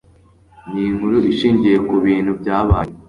Ninkuru ishingiye kubintu byabayeho.